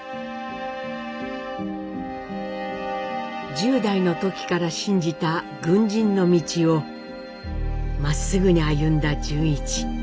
１０代の時から信じた軍人の道をまっすぐに歩んだ潤一。